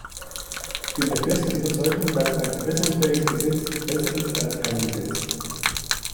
Ich bin der festen Überzeugung, dass ein verbesserungsfähiges Gesetz besser ist als kein Gesetz.